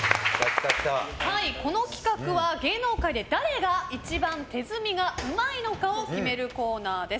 この企画は芸能界で誰が一番手積みがうまいのかを決めるコーナーです。